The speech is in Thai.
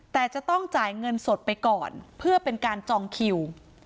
แต่จะต้องจ่ายเงินสดไปก่อนเพื่อเป็นการจองคิว